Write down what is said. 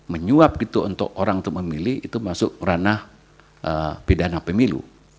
menyuap gitu untuk orang untuk memilih itu masuk ranah pidana pemilu